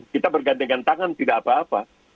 kita bergantian dengan tangan tidak apa apa